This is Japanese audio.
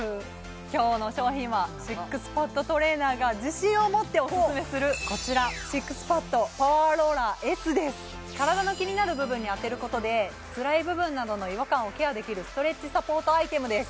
今日の商品はＳＩＸＰＡＤトレーナーが自信を持ってオススメするこちら体の気になる部分に当てることでつらい部分などの違和感をケアできるストレッチサポートアイテムです